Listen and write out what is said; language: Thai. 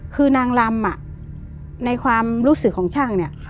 คือนางลำในความรู้สึกของช่างเนี่ย